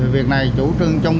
việc này chủ trương chung